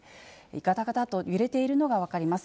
がたがたと揺れているのが分かります。